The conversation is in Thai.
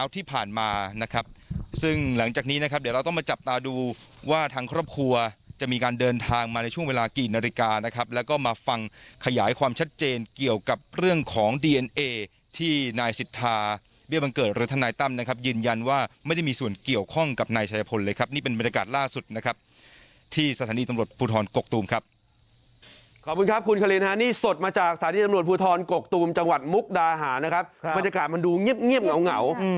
ที่ผ่านมานะครับซึ่งหลังจากนี้นะครับเดี๋ยวเราต้องมาจับตาดูว่าทางครอบครัวจะมีการเดินทางมาในช่วงเวลากี่นาฬิกานะครับแล้วก็มาฟังขยายความชัดเจนเกี่ยวกับเรื่องของดีเอ็นเอที่นายสิทธาเบี้ยวบังเกิดหรือท่านนายตั้มนะครับยืนยันว่าไม่ได้มีส่วนเกี่ยวข้องกับนายชายพลเลยครับนี่เป็นบรรยากาศล่า